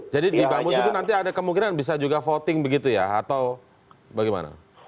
jadi bamus itu nanti ada kemungkinan bisa juga voting begitu ya atau bagaimana